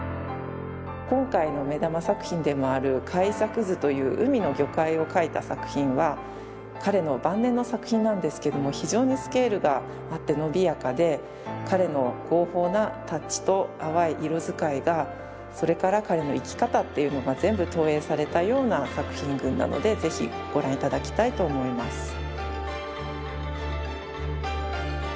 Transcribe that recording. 今回の目玉作品でもある「海錯図」という海の魚介を描いた作品は彼の晩年の作品なんですけども非常にスケールがあってのびやかで彼の豪放なタッチと淡い色使いがそれから彼の生き方っていうのが全部投影されたような作品群なので是非ご覧頂きたいと思います。